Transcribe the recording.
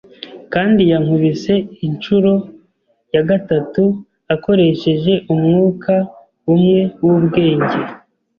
Kandi yankubise inshuro ya gatatu akoresheje umwuka umwe w'ubwenge.